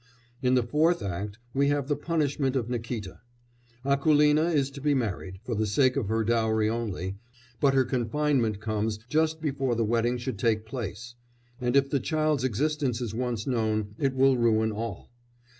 In the fourth act we have the punishment of Nikíta. Akoulina is to be married, for the sake of her dowry only, but her confinement comes just before the wedding should take place, and, if the child's existence is once known, it will ruin all.